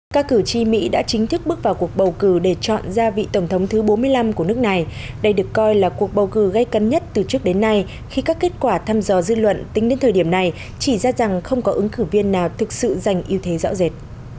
các cử tri mỹ đã chính thức bước vào cuộc bầu cử để chọn ra vị tổng thống thứ bốn mươi năm của nước này đây được coi là cuộc bầu cử gây cấn nhất từ trước đến nay khi các kết quả thăm dò dư luận tính đến thời điểm này chỉ ra rằng không có ứng cử viên nào thực sự giành ưu thế rõ rệt